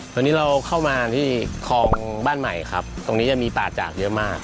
ตอนนี้เราเข้ามาที่คลองบ้านใหม่ครับตรงนี้จะมีป่าจากเยอะมาก